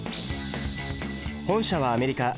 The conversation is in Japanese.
本社はアメリカ。